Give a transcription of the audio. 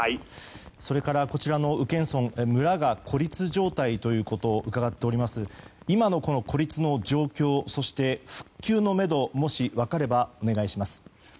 それから、こちらの宇検村村が孤立状態ということを伺っておりますが今の孤立の状況そして復旧のめどがもし分かればお願いします。